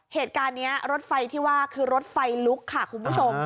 เหตุการณ์นี้รถไฟที่ว่าคือรถไฟลุกค่ะคุณผู้ชม